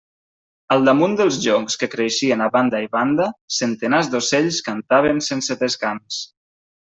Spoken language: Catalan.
Al damunt dels joncs que creixien a banda i banda, centenars d'ocells cantaven sense descans.